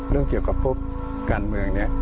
เรื่องเกี่ยวกับพวกการเมืองเนี่ย